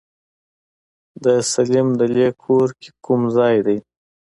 د سليم دلې کور کوم ځای دی؟